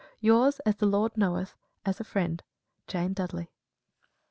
Yours, as the Lord knoweth, as a friend, JANE DUDLEY.